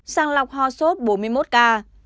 sàng lọc hò sốt bốn mươi một ca